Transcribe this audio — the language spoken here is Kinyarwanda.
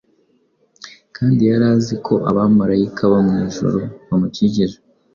kandi yari azi ko abamarayika bo mu ijuru bamukikije.